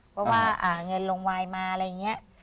เพราะว่าเงินโรงไว้มาอะไรอย่างเงี้ย